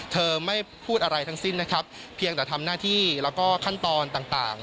เธอไม่พูดอะไรทั้งสิ้นนะครับเพียงแต่ทำหน้าที่แล้วก็ขั้นตอนต่าง